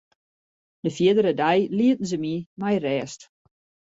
De fierdere dei lieten se my mei rêst.